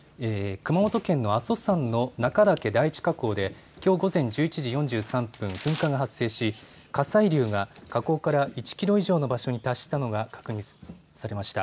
阿蘇山の中岳第一火口できょう午前１１時４３分過ぎから発生し火砕流は火口から１キロ以上の場所に達したのが確認されました。